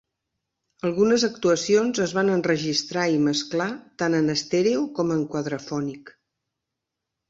Algunes actuacions es van enregistrar i mesclar tant en estèreo com en quadrafònic.